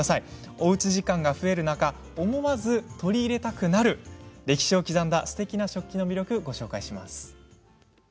おうち時間が増える中思わず取り入れたくなる歴史を刻んだすてきな食器の魅力ご紹介します。